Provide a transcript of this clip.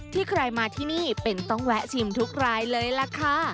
ใครมาที่นี่เป็นต้องแวะชิมทุกรายเลยล่ะค่ะ